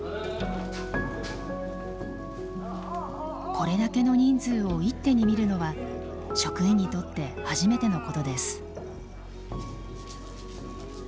これだけの人数を一手にみるのは職員にとって初めてのことです。